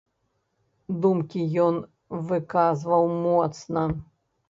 Думкі ён выказваў моцна.